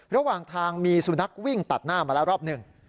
ระหว่างทางมีสุนัขวิ่งตัดหน้ามาแล้วรอบหนึ่ง